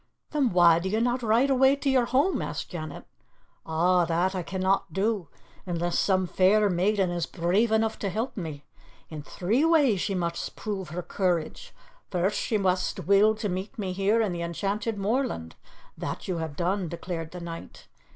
"Then why do you not ride away to your home?" asked Janet. "Ah, that I can not do unless some fair maiden is brave enough to help me. In three ways she must prove her courage. First she must will to meet me here in the enchanted moorland. That you have done," declared the knight.